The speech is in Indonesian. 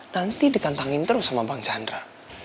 nanti ditantangin terus sama bang chandra